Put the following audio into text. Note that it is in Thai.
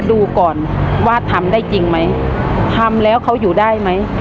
ดูก่อนว่าทำได้จริงไหมทำแล้วเขาอยู่ได้ไหม